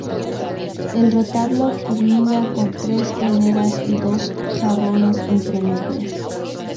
El retablo culmina con tres veneras y dos jarrones entre medias.